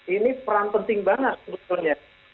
ini peran penting banget sebetulnya